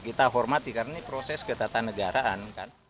kita hormati karena ini proses ketatanegaraan kan